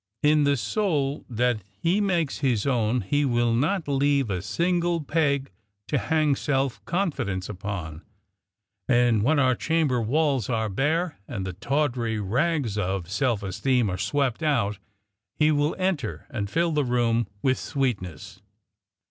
In the soul that He makes his own He will not leave a single peg to hang self confidence upon. And when our chamber walls are bare, and the tawdry rags of self esteem are swept out, He will enter and fill the room with sweetness.